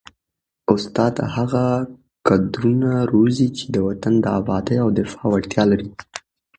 استاد هغه کدرونه روزي چي د وطن د ابادۍ او دفاع وړتیا ولري.